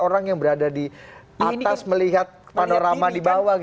orang yang berada di atas melihat panorama di bawah